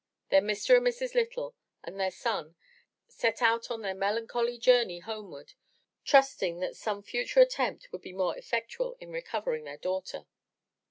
Then Mr. and Mrs. Lytle and their son set out on their melancholy journey homeward, trusting that some future attempt would be more effectual in recovering their daughter.